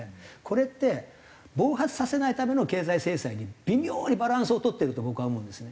これって暴発させないための経済制裁に微妙にバランスを取ってると僕は思うんですね。